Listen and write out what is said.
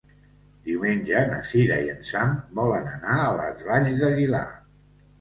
Diumenge na Cira i en Sam volen anar a les Valls d'Aguilar.